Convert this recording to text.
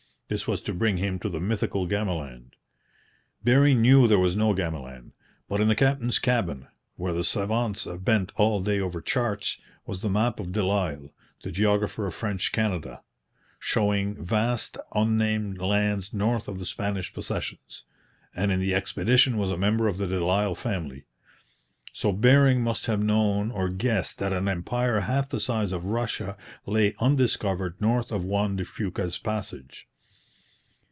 This was to bring him to the mythical Gamaland. Bering knew there was no Gamaland; but in the captain's cabin, where the savants bent all day over charts, was the map of Delisle, the geographer of French Canada, showing vast unnamed lands north of the Spanish possessions; and in the expedition was a member of the Delisle family. So Bering must have known or guessed that an empire half the size of Russia lay undiscovered north of Juan de Fuca's passage.